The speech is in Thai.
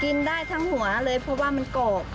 กินได้ทั้งหัวเลยเพราะว่ามันกรอบ